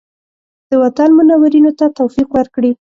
د وطن منورینو ته توفیق ورکړي.